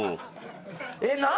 えっ何？